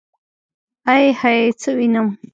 ائ هئ څه وينم.